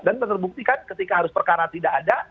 dan terbuktikan ketika harus perkara tidak ada